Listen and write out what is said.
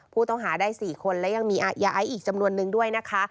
ผู้ต้องหาได้๔คนและยังมียาไอซ์อีกจำนวนนึงด้วยนะคะ